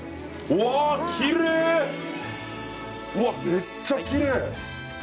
めっちゃきれい！